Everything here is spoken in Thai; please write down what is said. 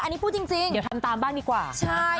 อันนี้พูดจริงเดี๋ยวทำตามบ้างดีกว่าใช่